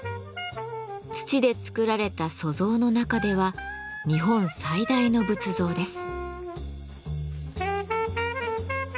土で作られた塑像の中では日本最大の仏像です。